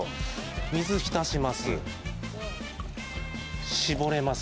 水に浸します。